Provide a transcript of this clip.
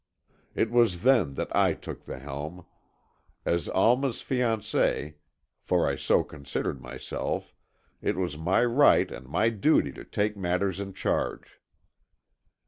It was then that I took the helm. As Alma's fiancé, for I so considered myself, it was my right and my duty to take matters in charge.